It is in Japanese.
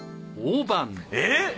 えっ！